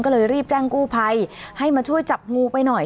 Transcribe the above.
ก็เลยรีบแจ้งกู้ภัยให้มาช่วยจับงูไปหน่อย